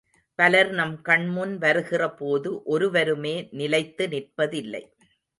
பலர் நம் கண்முன் வருகிற போது ஒருவருமே நிலைத்து நிற்பதில்லை.